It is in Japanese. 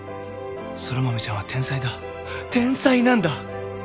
空豆ちゃんは天才だ天才なんだ！